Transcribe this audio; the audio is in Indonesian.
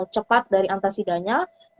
cepat dari antasidanya